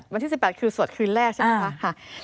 วันที่๑๘คือสวดคืนแรกใช่ไหมคะ